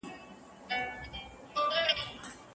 لومړی بدلون انرژي چمتو کوي.